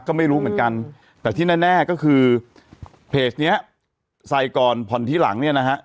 ก็ไม่รู้เหมือนกันแต่ที่แน่ก็คือเพจเนี้ยใส่ก่อนผ่อนที่หลังเนี่ยนะฮะ